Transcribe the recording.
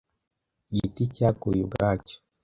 Igiti cyaguye ubwacyo.